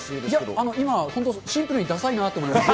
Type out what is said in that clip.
今は本当、シンプルにださいなと思いました。